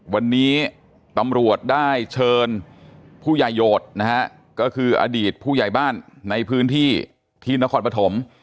วันนี้ตำรวจได้เชิญผู้ใหญ่โหดนะฮะก็คืออดีตผู้ใหญ่บ้านในพื้นที่ที่นครปฐม